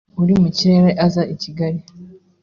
uri mu kirere aza i Kigali